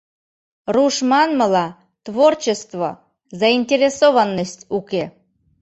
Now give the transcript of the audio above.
Руш манмыла, «творчество», «заинтересованность» уке.